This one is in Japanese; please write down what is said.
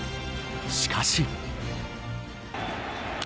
しかし。